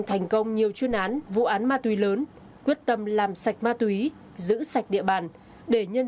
thành công nhiều chuyên án vụ án ma túy lớn quyết tâm làm sạch ma túy giữ sạch địa bàn để nhân